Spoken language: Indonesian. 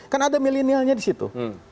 kan ada milenialnya di situ